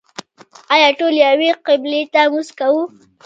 آیا ټول یوې قبلې ته لمونځ کوي؟